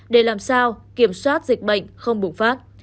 để làm sao kiểm soát dịch bệnh không bùng phát